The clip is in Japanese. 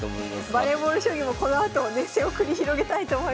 バレーボール将棋もこのあと熱戦を繰り広げたいと思います。